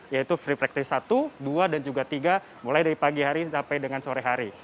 yaitu free practice satu dua dan juga tiga mulai dari pagi hari sampai dengan sore hari